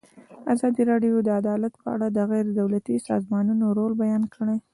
ازادي راډیو د عدالت په اړه د غیر دولتي سازمانونو رول بیان کړی.